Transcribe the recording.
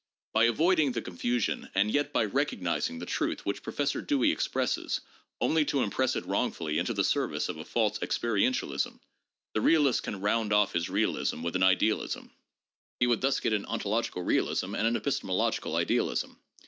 By avoiding the con fusion and yet by recognizing the truth which Professor Dewey 272 THE PHILOSOPHICAL REVIEW. [Vol. XVI. expresses, — only to impress it wrongfully into the service of a false experientialism, — the realist can round off his realism with an idealism. He would thus get an ontological realism and an epistemological idealism.